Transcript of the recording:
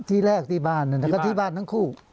ที่แรกที่บ้านที่บ้านทั้งคู่